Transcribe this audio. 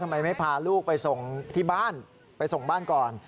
ทำไมไม่พาลูกไปส่งที่บ้านไปส่งบ้านก่อน